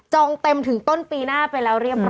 องเต็มถึงต้นปีหน้าไปแล้วเรียบร้อ